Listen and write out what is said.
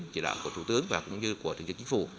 chỉ đạo của thủ tướng và cũng như của thủ tướng chính phủ